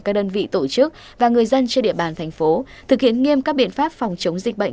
các đơn vị tổ chức và người dân trên địa bàn thành phố thực hiện nghiêm các biện pháp phòng chống dịch bệnh